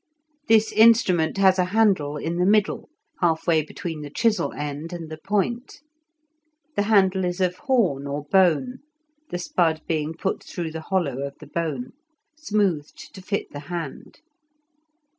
This instrument has a handle in the middle, half way between the chisel end and the point. The handle is of horn or bone (the spud being put through the hollow of the bone), smoothed to fit the hand.